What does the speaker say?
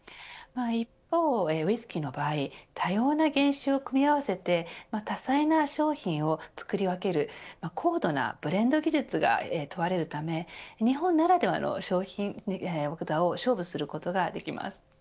一方、ウイスキーの場合多様な原酒を組み合わせて多彩な商品を造り分ける高度なブレンド技術が問われるため日本ならではの職人技で勝負することができます。